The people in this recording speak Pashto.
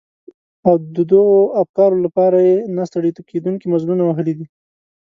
او د دغو افکارو لپاره يې نه ستړي کېدونکي مزلونه وهلي دي.